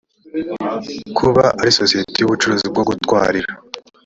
kuba ari sosiyete y ubucuruzi bwo gutwarira